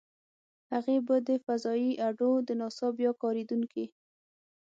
هغې به د فضايي اډو - د ناسا بیا کارېدونکې.